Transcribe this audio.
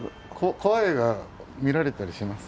怖い映画見られたりします？